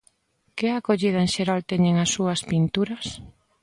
Que acollida en xeral teñen as súas pinturas?